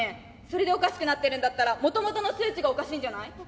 それでおかしくなってるんだったらもともとの数値がおかしいんじゃない？